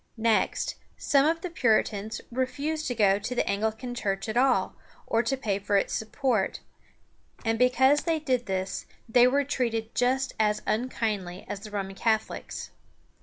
Next, some of the Puritans refused to go to the Anglican Church at all, or to pay for its support, and because they did this they were treated just as unkindly as the Roman Catholics.